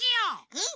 うん。